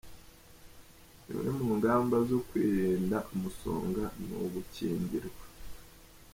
Zimwe mu ngamba zo kwirinda umusonga, ni ugukingirwa